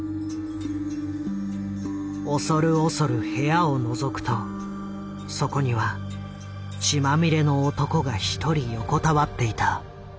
恐る恐る部屋をのぞくとそこには血まみれの男が一人横たわっていた。